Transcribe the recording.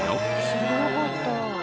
知らなかった。